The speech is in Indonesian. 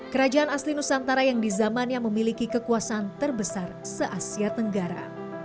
kerajaan asli nusantara yang di zamannya memiliki kekuasaan terbesar se asia tenggara